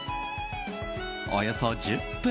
およそ１０分。